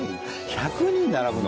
１００人並ぶの？